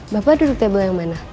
bapak duduk tebel yang mana